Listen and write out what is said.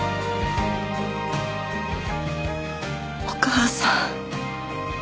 お母さん。